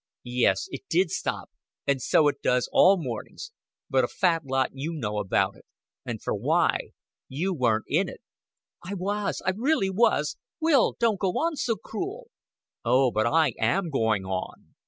"Yes, it did stop and so it does all mornings. But a fat lot you know about it. And for why? You weren't in it." "I was I really was. Will don't go on so cruel." "Oh, but I am going on."